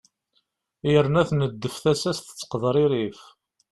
yerna tneddef tasa-s tettqeḍririf